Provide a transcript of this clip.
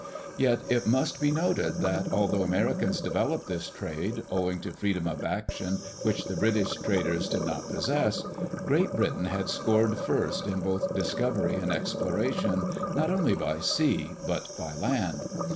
Yet it must be noted, that although Americans developed this trade, owing to freedom of action which the British traders did not possess, Great Britain had scored first in both discovery and explora tion, not only by sea but by land.